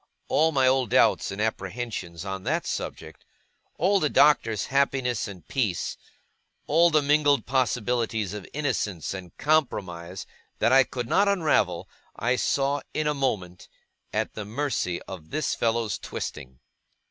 All my old doubts and apprehensions on that subject, all the Doctor's happiness and peace, all the mingled possibilities of innocence and compromise, that I could not unravel, I saw, in a moment, at the mercy of this fellow's twisting.